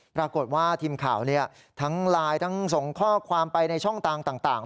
ปรากฏว่าทีมข่าวทั้งไลน์ทั้งส่งข้อความไปในช่องต่าง